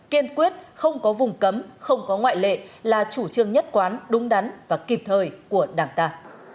kiên quyết không có vùng cấm không có ngoại lệ là chủ trương nhất quán đúng đắn và kịp thời của đảng ta